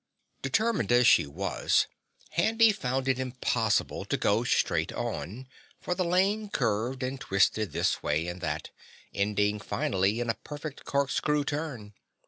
Determined as she was, Handy found it impossible to go straight on, for the lane curved and twisted this way and that, ending finally in a perfect corkscrew turn.